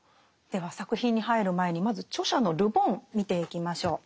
では作品に入る前にまず著者のル・ボン見ていきましょう。